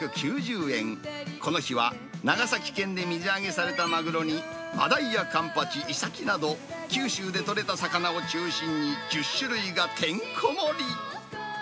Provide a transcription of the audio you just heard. この日は、長崎県で水揚げされたマグロに、マダイやカンパチ、イサキなど、九州で取れた魚を中心に１０種類がてんこ盛り。